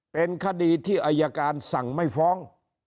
เป็นคดีที่อายการสั่งไม่ฟ้อง